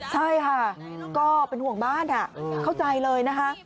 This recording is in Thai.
ใช่ค่ะก็เป็นห่วงบ้านเข้าใจเลยนะคะ